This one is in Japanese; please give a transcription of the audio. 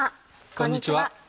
こんにちは。